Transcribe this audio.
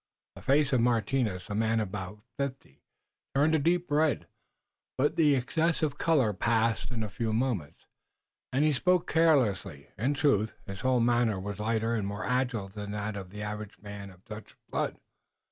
The face of Martinus, a man of about fifty, turned a deep red, but the excessive color passed in a few moments, and he spoke carelessly. In truth, his whole manner was lighter and more agile than that of the average man of Dutch blood.